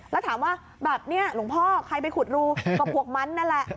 แล้วถามว่าแบบนี้หลวงพ่อใครไปขุดรูกับพวกมันนั่นแหละ